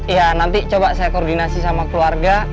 ya nanti coba saya koordinasi sama keluarga